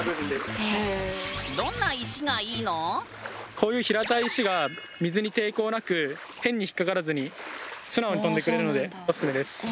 こういう平たい石が水に抵抗なく変に引っかからずに素直に跳んでくれるのでオススメです。